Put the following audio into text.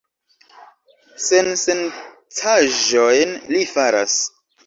Sensencaĵojn li faras!